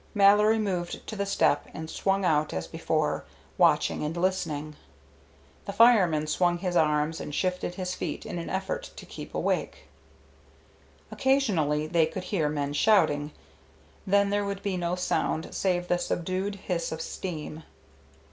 Mallory moved to the step and swung out as before, watching and listening. The fireman swung his arms and shifted his feet in an effort to keep awake. Occasionally they could hear men shouting, then there would be no sound save the subdued hiss of steam.